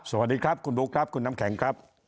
สวัสดีครับคุณบุ๊คครับคุณน้ำแข็งครับ